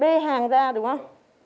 bê hàng ra đúng không